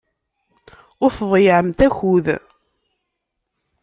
Ur tḍeyyɛemt akud.